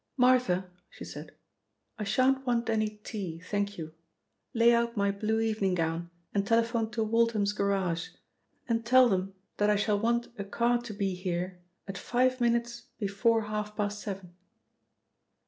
"Martha," she said, "I shan't want any tea, thank you. Lay out my blue evening gown and telephone to Waltham's, Garage and tell them that I shall want a car to be here at five minutes before half past seven."